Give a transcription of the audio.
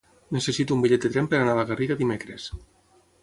Necessito un bitllet de tren per anar a la Garriga dimecres.